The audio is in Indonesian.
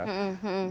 dalam meraih dukungan